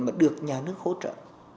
mà được nhà nước hỗ trợ